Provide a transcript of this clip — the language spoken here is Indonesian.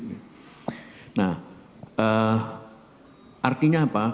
nah artinya apa